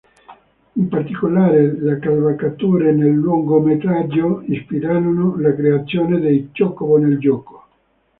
In particolare le cavalcature nel lungometraggio ispirarono la creazione dei Chocobo nel gioco.